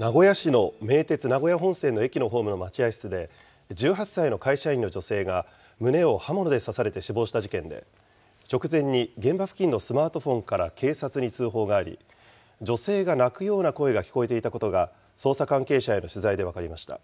名古屋市の名鉄名古屋本線の駅のホームの待合室で１８歳の会社員の女性が、胸を刃物で刺されて死亡した事件で、直前に現場付近のスマートフォンから警察に通報があり、女性が泣くような声が聞こえていたことが、捜査関係者への取材で分かりました。